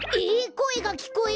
こえがきこえる。